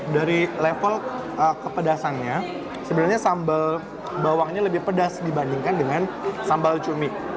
dari level kepedasannya sebenarnya sambal bawangnya lebih pedas dibandingkan dengan sambal cumi